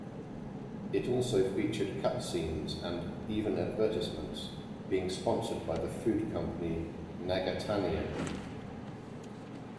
It also featured cutscenes and even advertisements, being sponsored by the food company Nagatanien.